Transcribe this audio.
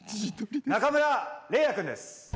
中村嶺亜君です。